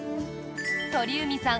鳥海さん